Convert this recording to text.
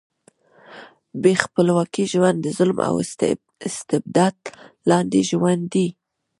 بې خپلواکۍ ژوند د ظلم او استبداد لاندې ژوند دی.